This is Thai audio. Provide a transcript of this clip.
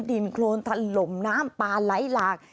ดินโครนถล่มน้ำปลาไหลหลาก